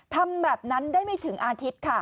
ทำแบบนั้นได้ไม่ถึงอาทิตย์ค่ะ